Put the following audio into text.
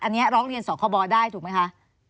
อันนี้ร้องเรียนสคบได้ถูกไหมคะ